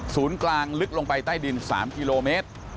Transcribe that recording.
ศูนย์กลางลึกลงไปใต้ดิน๓กิโลเมตร